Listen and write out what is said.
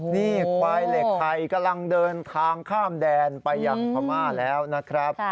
นี่ควายเหล็กไทยกำลังเดินทางข้ามแดนไปยังพม่าแล้วนะครับ